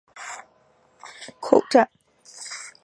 专门为这些浏览器设计的网站被称为无线入口网站。